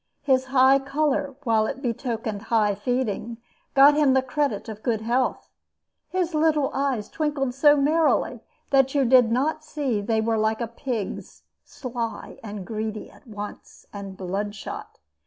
His high color, while it betokened high feeding, got him the credit of good health. His little eyes twinkled so merrily that you did not see they were like a pig's, sly and greedy at once, and bloodshot.